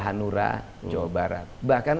hanura jawa barat bahkan